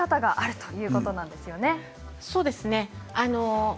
そうですね。